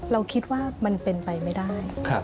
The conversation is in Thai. เราคิดว่ามันเป็นไปไม่ได้